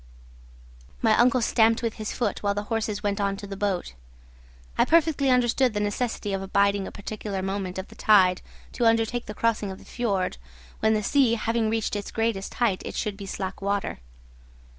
My uncle stamped with his foot, while the horses went on to the boat. I perfectly understood the necessity of abiding a particular moment of the tide to undertake the crossing of the fiord, when, the sea having reached its greatest height, it should be slack water.